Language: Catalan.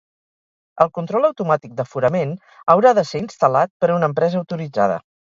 El control automàtic d'aforament haurà de ser instal·lat per una empresa autoritzada.